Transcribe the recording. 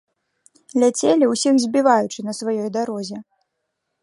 Ляцелі, усіх збіваючы на сваёй дарозе!